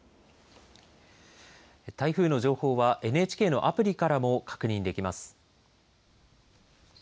台風の情報はＮＨＫのアプリからも確認できます。